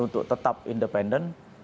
untuk tetap independen